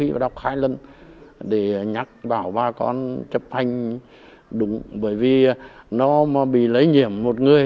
vì nó bị lấy nhiễm một người